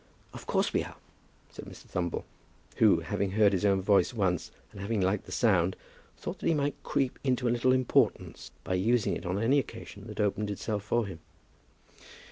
"Of course we are," said Mr. Thumble, who, having heard his own voice once, and having liked the sound, thought that he might creep into a little importance by using it on any occasion that opened itself for him.